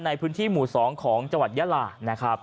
ในพื้นที่หมู่๒ของจังหวัดยาลานะครับ